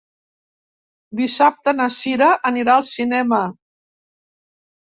Dissabte na Sira anirà al cinema.